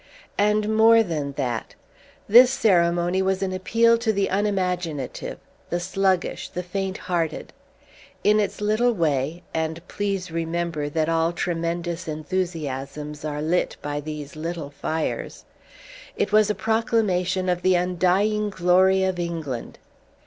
And more than that. This ceremony was an appeal to the unimaginative, the sluggish, the faint hearted. In its little way and please remember that all tremendous enthusiasms are fit by these little fires it was a proclamation of the undying glory of England.